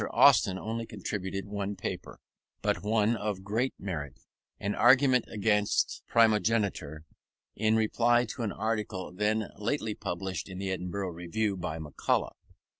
Austin only contributed one paper, but one of great merit, an argument against primogeniture, in reply to an article then lately published in the Edinburgh Review by McCulloch.